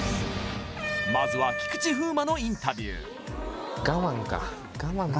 まずは菊池風磨のインタビュー我慢か